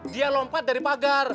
dia lompat dari pagar